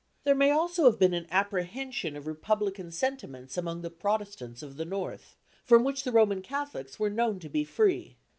There may also have been an apprehension of republican sentiments among the Protestants of the north, from which the Roman Catholics were known to be free.